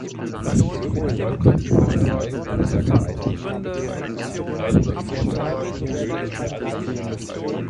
Das Petroleum aus Nordwest-Pennsylvania geriet außerdem zum bevorzugten Schmiermittel in der Textilindustrie.